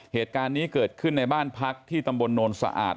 เหตุการณ์นี้เกิดขึ้นในบ้านพักที่ตำบลโนนสะอาด